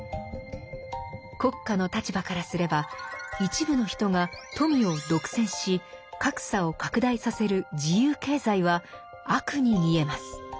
国家の立場からすれば一部の人が富を独占し格差を拡大させる自由経済は「悪」に見えます。